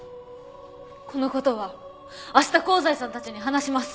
この事は明日香西さんたちに話します。